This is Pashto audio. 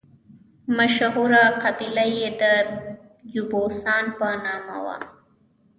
مشهوره قبیله یې د یبوسان په نامه وه.